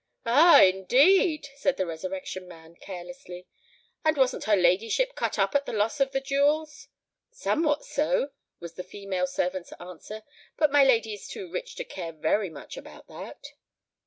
"Ah—indeed!" said the Resurrection Man, carelessly. "And wasn't her ladyship cut up at the loss of the jewels?" "Somewhat so," was the female servant's answer. "But my lady is too rich to care very much about that."